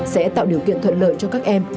sẽ tạo điều kiện thuận lợi cho các em